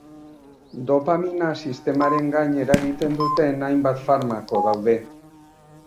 Dopamina sistemaren gain eragiten duten hainbat farmako daude.